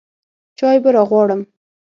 چاى به راغواړم.